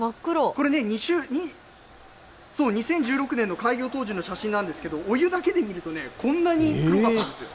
これね、２０１６年の開業当時の写真なんですけど、お湯だけで見るとね、こんなに黒かったんですよ。